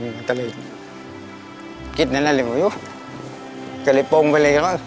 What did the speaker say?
มันก็เลยคิดนั่นเลยก็เลยปงไปเลย